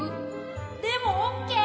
でもオッケー！